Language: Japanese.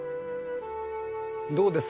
どうです？